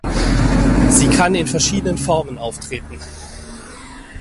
Sie kann in verschiedenen Formen auftreten.